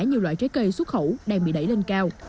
nhiều loại trái cây xuất khẩu đang bị đẩy lên cao